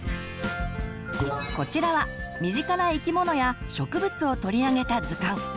こちらは身近な生き物や植物を取り上げた図鑑。